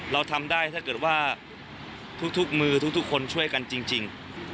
เราทำได้ถ้าเกิดว่าทุกมือทุกคนช่วยกันจริง